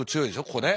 ここね。